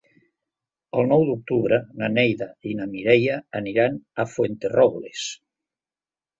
El nou d'octubre na Neida i na Mireia aniran a Fuenterrobles.